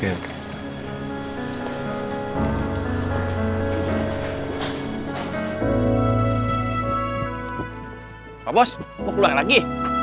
pak bos mau keluar lagi